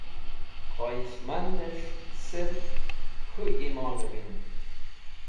Khoyishmandẽs̃h sirf khũ ẽmonẽ wind.